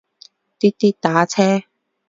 滴滴打车